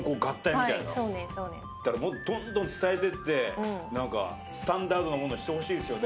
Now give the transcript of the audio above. どんどん伝えてってなんかスタンダードなものにしてほしいですよね